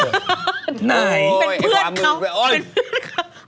โอ๊ยเฤ้นเพื่อนเธอ